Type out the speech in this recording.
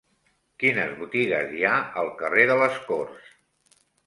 Quines botigues hi ha al carrer de les Corts?